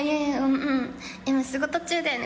今、仕事中だよね。